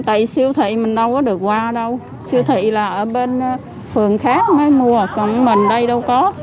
tại siêu thị mình đâu có được qua đâu siêu thị là ở bên phường khác mới mua còn mình đây đâu có